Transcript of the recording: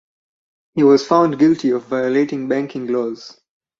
He was found guilty of violating banking laws.